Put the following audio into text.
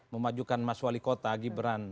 memajukan mas wali kota agy beran